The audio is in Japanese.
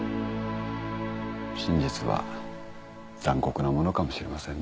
真実は残酷なものかもしれませんね。